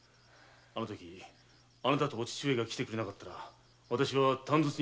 あの時あなたの父上が来て下さらなかったら。